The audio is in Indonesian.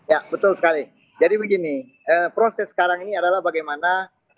ya betul sekali jadi begini proses sekarang ini adalah bagaimana